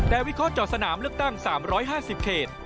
แต่วิเคราะห์สนามเลือกตั้ง๓๕๐เขต